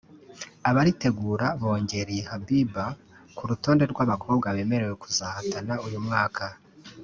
abaritegura bongereye Habiba ku rutonde rw’abakobwa bemerewe kuzahatana uyu mwaka